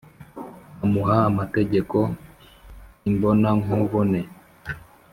amuha amategeko imbonankubone,